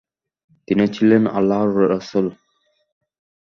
তিনি ছিলেন আল্লাহর রাসূল।